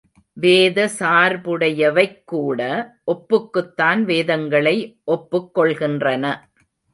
வேத சார்புடையவைக் கூட ஒப்புக்குத்தான் வேதங்களை ஒப்புக் கொள்கின்றன.